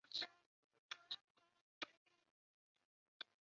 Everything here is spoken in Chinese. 此套字母受爱尔兰剧作家萧伯纳资助并以其命名。